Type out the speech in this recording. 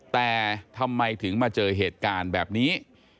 แต่ทำไมถึงมาเจอเหตุการณ์แบบนี้